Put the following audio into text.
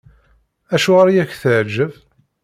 Acuɣeṛ i ak-teɛǧeb?